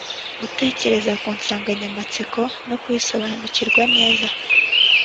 Gutekereza ku nsanganyamatsiko no kuyisobanukirwa neza.